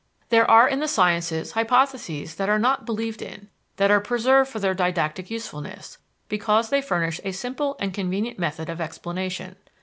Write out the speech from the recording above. There are in the sciences hypotheses that are not believed in, that are preserved for their didactic usefulness, because they furnish a simple and convenient method of explanation.